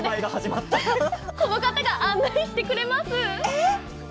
この方が案内してくれます。